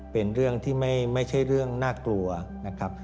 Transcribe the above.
เป็นเรื่องที่ไม่ใช่เรื่องน่ากลัวนะครับ